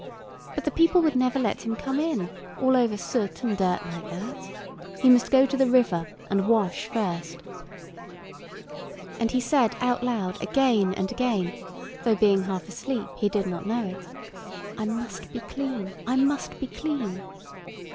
But the people would never let him come in, all over soot and dirt like that. He must go to the river and wash first. And he said out loud again and again, though being half asleep he did not know it, "I must be clean, I must be clean."